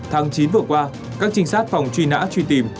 tháng chín vừa qua các trinh sát phòng truy nã truy tìm